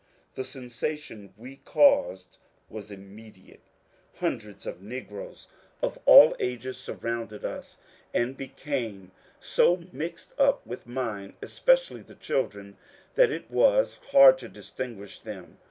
The sensation we caused was immediate ; hundreds of negroes of all ages surrounded us, and became so mixed up with mine, especially the children, that it was hard to distinguish them.